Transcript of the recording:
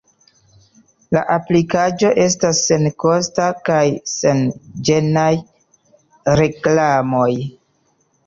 La aplikaĵo estas senkosta kaj sen ĝenaj reklamoj.